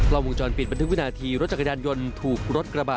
วงจรปิดบันทึกวินาทีรถจักรยานยนต์ถูกรถกระบะ